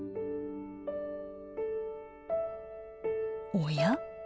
おや？